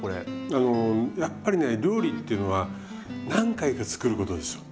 あのやっぱりね料理っていうのは何回か作ることですよ。